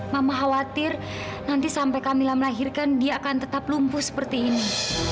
mama khawatir nanti sampai camillah melahirkan dia akan tetap lumpuh seperti ini